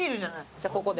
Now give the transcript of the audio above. じゃあここで。